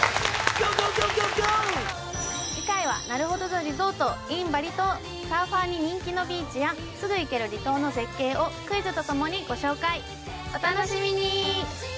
次回はなるほど・ザ・リゾートｉｎバリ島サーファーに人気のビーチやすぐ行ける離島の絶景をクイズとともにご紹介お楽しみに！